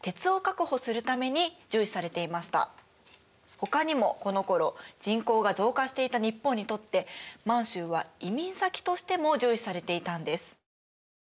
ほかにもこのころ人口が増加していた日本にとって満州は移民先としても重視されていたんです。